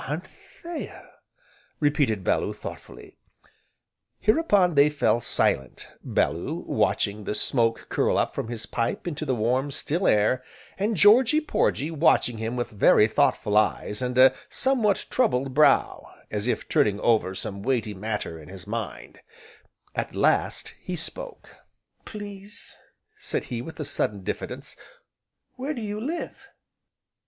"Anthea!" repeated Bellew, thoughtfully. Hereupon they fell silent, Bellew watching the smoke curl up from his pipe into the warm, still air, and Georgy Porgy watching him with very thoughtful eyes, and a somewhat troubled brow, as if turning over some weighty matter in his mind; at last, he spoke: "Please," said he, with a sudden diffidence, "where do you live?"